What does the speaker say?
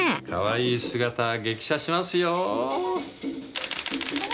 かわいい姿激写しますよ。